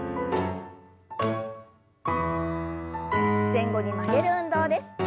前後に曲げる運動です。